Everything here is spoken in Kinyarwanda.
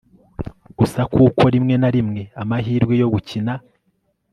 gusa kuko rimwe na rimwe amahirwe yo gukina